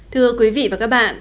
thưa quý vị và các bạn